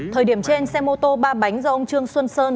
thời điểm trên xe mô tô ba bánh do ông trương xuân sơn